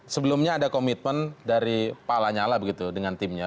sebelumnya ada komitmen dari pak lanyala begitu dengan timnya